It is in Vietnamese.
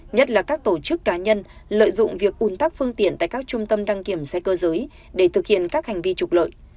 nhất là các tổ chức cá nhân lợi dụng việc un tắc phương tiện tại các trung tâm đăng kiểm xe cơ giới để thực hiện các hành vi trục lợi